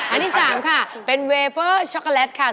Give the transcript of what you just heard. อันที่๓ค่ะเป็นเวเฟอร์ช็อกโกแลตค่ะ